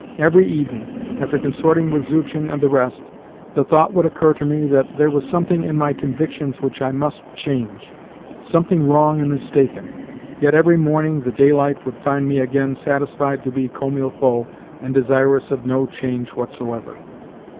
Every evening, after consorting with Zuchin and the rest, the thought would occur to me that there was something in my convictions which I must change something wrong and mistaken; yet every morning the daylight would find me again satisfied to be "comme il faut," and desirous of no change whatsoever.